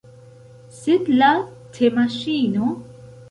Sed la temaŝino?